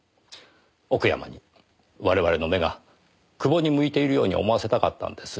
奥山に我々の目が久保に向いているように思わせたかったんです。